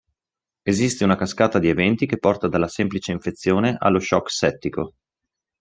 Esiste una cascata di eventi che porta dalla semplice infezione allo shock settico.